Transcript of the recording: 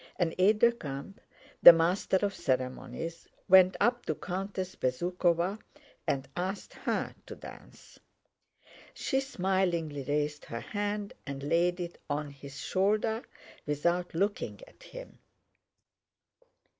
An aide de camp, the Master of Ceremonies, went up to Countess Bezúkhova and asked her to dance. She smilingly raised her hand and laid it on his shoulder without looking at him.